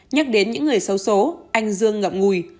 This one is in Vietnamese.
nhắc đến những người xấu xố anh dương ngọc ngùi